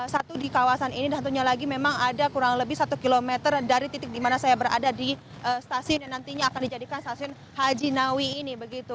satu di kawasan ini dan satunya lagi memang ada kurang lebih satu kilometer dari titik di mana saya berada di stasiun yang nantinya akan dijadikan stasiun haji nawi ini